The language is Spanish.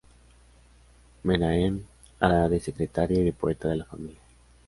Menahem hará de secretario y de poeta de la familia.